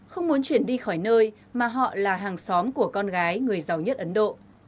không muốn chuyển đi khỏi nơi mà họ là hàng xóm của con gái người giàu nhất ấn độ